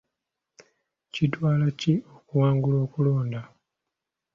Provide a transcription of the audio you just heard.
Kitwala ki okuwangula okulonda?